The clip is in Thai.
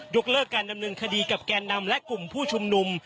เลิกการดำเนินคดีกับแกนนำและกลุ่มผู้ชุมนุม